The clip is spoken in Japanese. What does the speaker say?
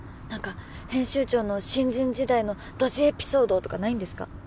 何か編集長の新人時代のドジエピソードとかないんですか？